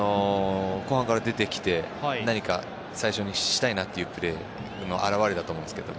後半から出てきて何か最初にしたいなというプレーの表れだと思うんですけど。